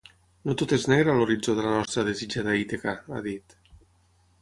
“No tot és negre a l’horitzó de la nostra desitjada Ítaca”, ha dit.